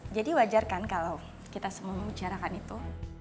jadi wajar kan kalau kita semua membicarakan itu